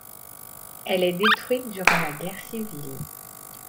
Elle est détruite durant la guerre civile.